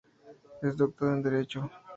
Es Doctor en Derecho.